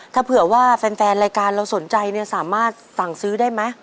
ถ้าเผื่อว่าแฟนรายการเราสนใจเนี่ยสามารถสั่งซื้อได้ไหม